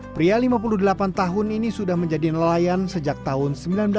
pria lima puluh delapan tahun ini sudah menjadi nelayan sejak tahun seribu sembilan ratus sembilan puluh